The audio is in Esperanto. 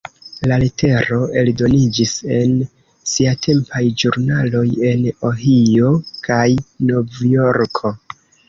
La letero eldoniĝis en siatempaj ĵurnaloj en Ohio kaj Novjorko.